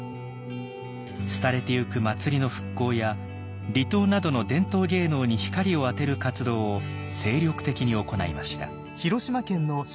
廃れていく祭りの復興や離島などの伝統芸能に光を当てる活動を精力的に行いました。